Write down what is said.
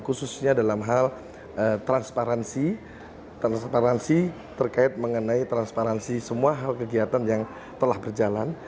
khususnya dalam hal transparansi terkait mengenai transparansi semua hal kegiatan yang telah berjalan